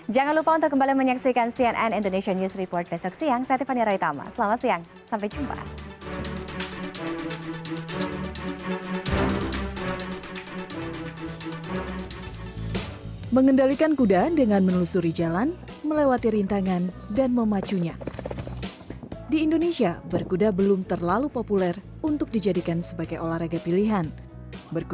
jangan lupa untuk kembali menyaksikan cnn indonesian news report besok siang